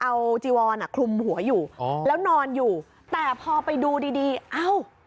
เอาจีวอนอ่ะคลุมหัวอยู่แล้วนอนอยู่แต่พอไปดูดีดีเอ้า